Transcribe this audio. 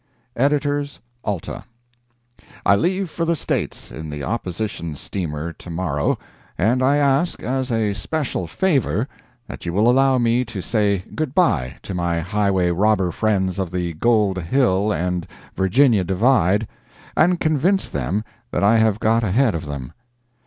EDITORS ALTA: I leave for the States in the Opposition steamer to morrow, and I ask, as a special favor, that you will allow me to say good bye to my highway robber friends of the Gold Hill and Virginia Divide, and convince them that I have got ahead of them.